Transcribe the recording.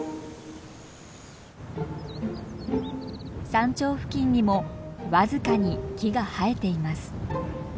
山頂付近にも僅かに木が生えています。